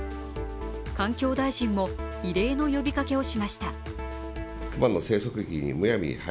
環境大臣も異例の呼びかけをしました。